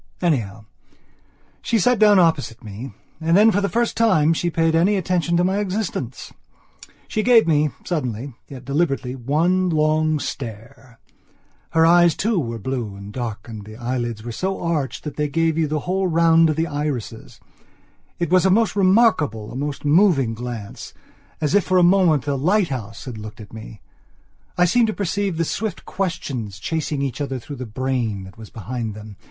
Anyhow, she sat down opposite me and then, for the first time, she paid any attention to my existence. She gave me, suddenly, yet deliberately, one long stare. Her eyes too were blue and dark and the eyelids were so arched that they gave you the whole round of the irises. And it was a most remarkable, a most moving glance, as if for a moment a lighthouse had looked at me. I seemed to perceive the swift questions chasing each other through the brain that was behind them.